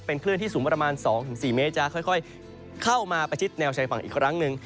คลื่นที่สูงประมาณ๒๔เมตรจะค่อยเข้ามาประชิดแนวชายฝั่งอีกครั้งหนึ่ง